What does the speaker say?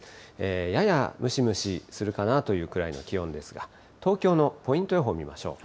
ややムシムシするかなというくらいの気温ですが、東京のポイント予報見ましょう。